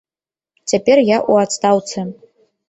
Цяпер я ў адстаўцы.